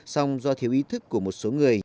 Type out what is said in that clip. xong do thiếu ý thức của một số người